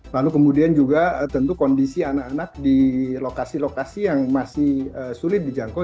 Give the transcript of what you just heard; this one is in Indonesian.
lalu kemudian juga tentu kondisi anak anak di lokasi lokasi yang masih sulit dijangkau